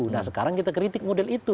nah sekarang kita kritik model itu